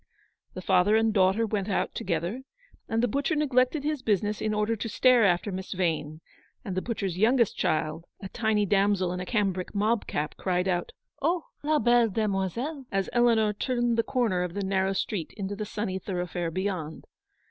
The father and daughter went out together, and the butcher neglected his business in order to stare after Miss Vane, and the butcher's youngest child, a tiny damsel in a cambric mob cap, cried out, " Oh, la belle demoiselle ! n as Eleanor turned the corner of the narrow street into the sunny thoroughfare beyond.